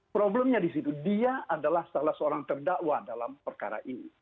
problemnya di situ dia adalah salah seorang terdakwa dalam perkara ini